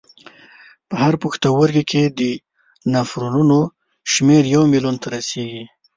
په هر پښتورګي کې د نفرونونو شمېر یو میلیون ته رسېږي.